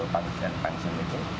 empat panusian panusian itu